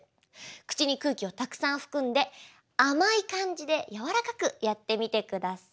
口に空気をたくさん含んで甘い感じで柔らかくやってみてください。